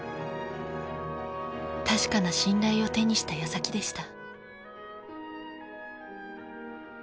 確かな信頼を手にしたやさきでした。